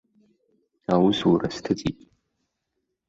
Аусура сҭыҵит.